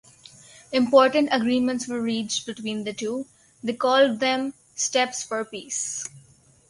Important agreements were reached between the two, they called them: Steps for Peace.